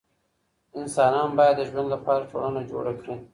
انسانان بايد د ژوند لپاره ټولنه جوړ کړي.